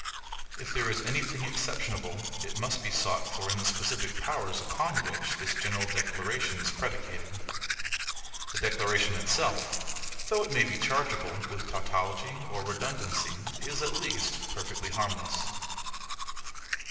If there is any thing exceptionable, it must be sought for in the specific powers upon which this general declaration is predicated. The declaration itself, though it may be chargeable with tautology or redundancy, is at least perfectly harmless.